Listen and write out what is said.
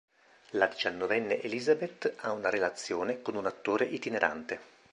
La diciannovenne Elizabeth ha una relazione con un attore itinerante.